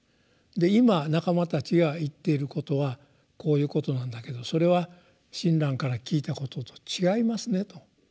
で「今仲間たちが言っていることはこういうことなんだけどそれは親鸞から聞いたことと違いますね」と。